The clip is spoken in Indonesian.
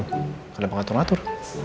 gak ada pengatur ngatur